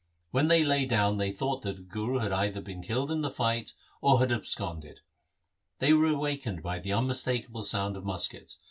When they lay down they thought that the Guru had either been killed in the fight or had absconded. They were awakened by an unmistakable sound of muskets.